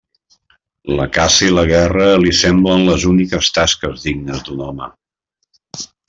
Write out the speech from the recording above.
La caça i la guerra li semblen les úniques tasques dignes d'un home.